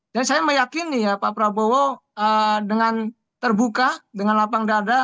jadi saya meyakini ya pak prabowo dengan terbuka dengan lapang dada